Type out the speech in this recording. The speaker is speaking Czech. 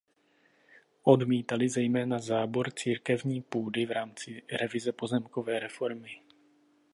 Odmítali zejména zábor církevní půdy v rámci revize pozemkové reformy.